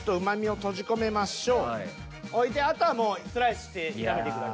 ちょっと置いてあとはもうスライスして炒めていくだけ。